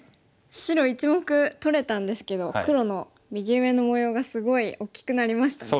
白１目取れたんですけど黒の右上の模様がすごい大きくなりましたね。